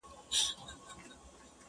نور به نه کوم ګیلې له توره بخته!.